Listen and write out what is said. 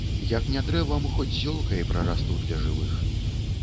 Як не дрэвам, хоць зёлкай прарасту для жывых.